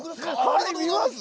ありがとうございます。